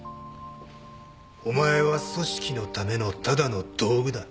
お前は組織のためのただの道具だ。